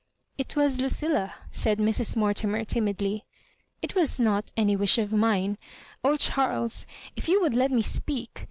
*' It was Lucilla," said Mrs. Mortimer, timidly; " it was not any wish of mina Oh, Charles! if you would let me speak.